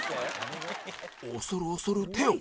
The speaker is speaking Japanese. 恐る恐る手を